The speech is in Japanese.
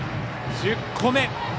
１０個目。